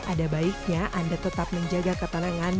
ada baiknya anda tetap menjaga ketenangan